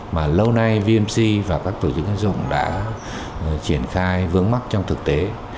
mà lâu nay vmc và các tổ chức tiến dụng đã triển khai vướng mắc trong thực tế